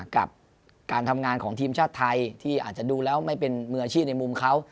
กับการทำงานของทีมชาติไทยที่อาจจะดูแล้วไม่เป็นมืออาชีพในมุมเขา